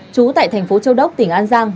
trú tại thành phố châu đốc tỉnh an giang